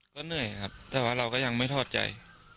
ก็เหนื่อยครับแต่ว่าเราก็ยังไม่ทอดใจ